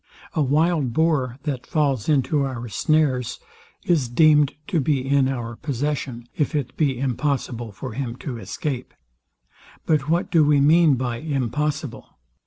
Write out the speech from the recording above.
A wild boar, that falls into our snares, is deemed to be in our possession, if it be impossible for him to escape. But what do we mean by impossible?